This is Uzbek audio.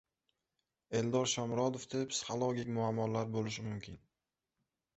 Eldor Shomurodovda psixologik muammolar bo‘lishi mumkin